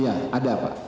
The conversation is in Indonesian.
iya ada pak